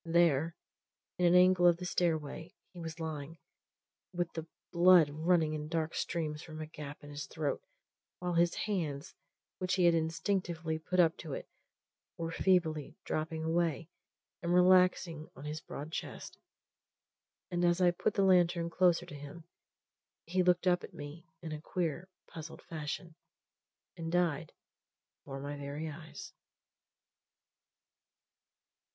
There, in an angle of the stairway, he was lying, with the blood running in dark streams from a gap in his throat; while his hands, which he had instinctively put up to it, were feebly dropping away and relaxing on his broad chest. And as I put the lantern closer to him he looked up at me in a queer, puzzled fashion, and died before my very eyes.